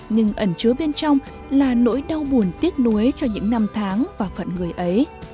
nhưng ẩn chứa bên trong là nỗi đau buồn tiếc nuối cho những năm tháng và phận người ấy